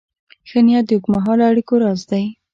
ښه نیت د اوږدمهاله اړیکو راز دی.